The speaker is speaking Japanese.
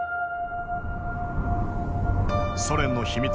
ソ連の秘密